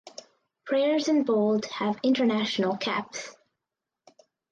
Players in bold have international caps.